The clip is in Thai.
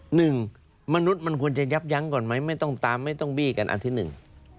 หนึ่งมนุษย์มันควรจะยับยั้งก่อนไหมไม่ต้องตามไม่ต้องบี้กันอันที่หนึ่ง